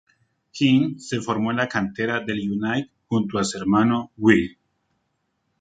Keane se formó en la cantera del United junto a su hermano Will.